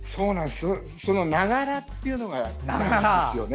ながらっていうのがいいですよね。